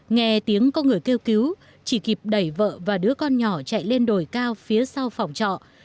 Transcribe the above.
nghe tiếng có người kêu cứu chỉ kịp đẩy vợ và đứa con nhỏ chạy lên đồi cao phía sau phòng trọ